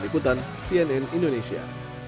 berikutan cnn indonesia